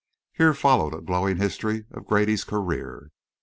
(Here followed a glowing history of Grady's career.)